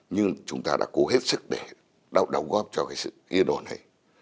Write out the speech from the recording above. nhưng chúng ta đã cố hết sức để đóng góp cho cái sự yên ổn này